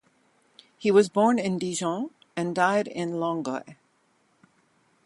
He was born in Dijon and died in Langres.